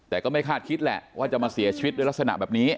แต่ก็ไม่คาดคิดแหละว่าจะมาเสียชีวิตด้วยลักษณะแบบนี้